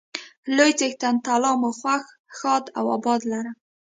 لوی څښتن تعالی مو خوښ، ښاد او اباد لره.